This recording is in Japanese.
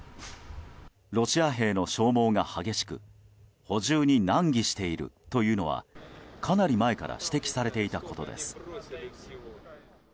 ロシア兵の消耗が激しく補充に難儀しているというのはかなり前から指摘されていたことです。